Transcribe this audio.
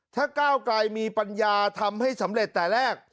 ถ้าก้าวไกลมีปัญญาทำให้สำเร็จแต่แรก